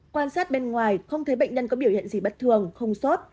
quan sát bên ngoài không thấy bệnh nhân có biểu hiện gì bất thường không sốt